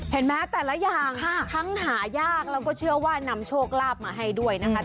เห็นไหมแต่ละอย่างทั้งหายากแล้วก็เชื่อว่านำโชคลาภมาให้ด้วยนะคะ